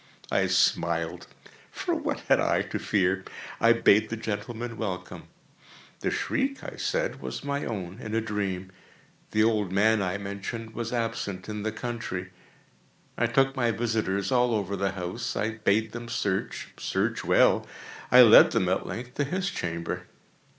I smiled,—for what had I to fear? I bade the gentlemen welcome. The shriek, I said, was my own in a dream. The old man, I mentioned, was absent in the country. I took my visitors all over the house. I bade them search—search well. I led them, at length, to his chamber.